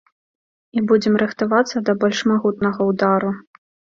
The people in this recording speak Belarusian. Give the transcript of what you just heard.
І будзем рыхтавацца да больш магутнага ўдару.